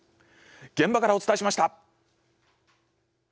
現場からお伝えしました！